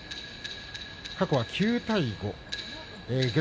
過去は９対５。